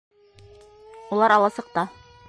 Улар аласыҡта.